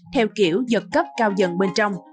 theo kiểu giật cấp cao dần bên trong